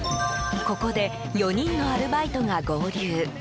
ここで４人のアルバイトが合流。